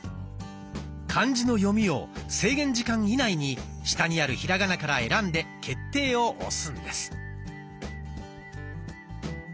漢字の読みを制限時間以内に下にあるひらがなから選んで「決定」を押すんです。